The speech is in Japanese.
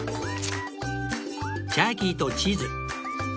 ジャーキーとチーズ